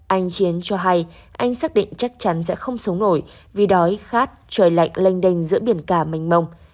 anh chiến cho hay anh xác định chắc chắn sẽ không sống nổi vì đói khát trời lạnh lênh đênh giữa biển cả mênh mông